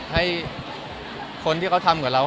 ให้คนที่เขาทำกับเรา